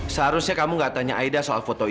seharusnya kamu gak tanya aida soal foto itu